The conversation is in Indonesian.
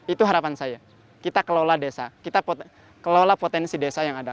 itu harapan saya kita kelola desa kita kelola potensi desa yang ada